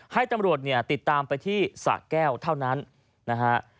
ให้ตำรวจเนี่ยติดตามไปที่สะแก้วเท่านั้นนะฮะ